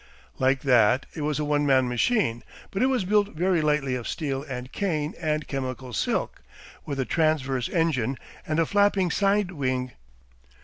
Like that, it was a one man machine, but it was built very lightly of steel and cane and chemical silk, with a transverse engine, and a flapping sidewing.